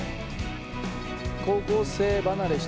高校生離れした